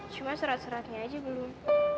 cuma serat seratnya aja belum